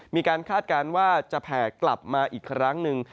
คาดการณ์ว่าจะแผ่กลับมาอีกครั้งหนึ่ง